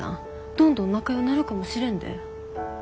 どんどん仲良うなるかもしれんで。